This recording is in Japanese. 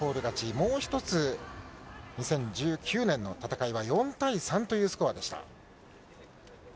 もう一つ、２０１９年の戦いは、４対３というスコアでした。